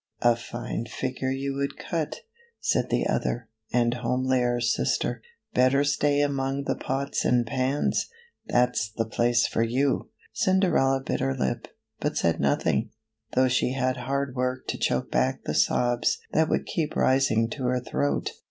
" A fine figure you would cut!" said the other, and homelier sister. ' Better stay among the pots and pans. That's the place foi you !" Cinderella bit her lip, but said nothing, though she had hard work to choke back the sobs that would keep rising to her throat.